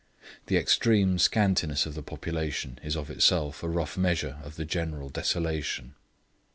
The extreme scantiness of the population is of itself a rough measure of the general desolation.